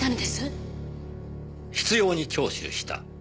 「執拗に聴取した」